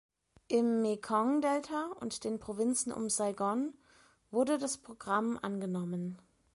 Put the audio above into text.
Im Mekong-Delta und den Provinzen um Saigon wurde das Programm angenommen.